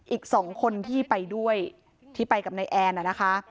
อีก๒คนที่ไปด้วยที่ไปกับนายแอนนะคะ